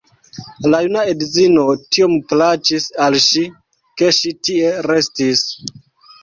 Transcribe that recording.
La juna edzino tiom plaĉis al ŝi, ke ŝi tie restis.